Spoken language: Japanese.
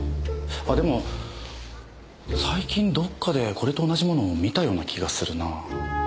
あっでも最近どっかでこれと同じものを見たような気がするな。